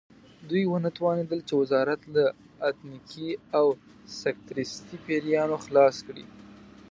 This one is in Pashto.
دوی ونه توانېدل چې وزارت له اتنیکي او سکتریستي پیریانو خلاص کړي.